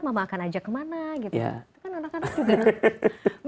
mama akan ajak kemana